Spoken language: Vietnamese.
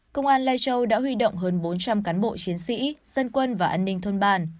công an lai châu đã huy động hơn bốn trăm linh cán bộ chiến sĩ dân quân và an ninh thôn bàn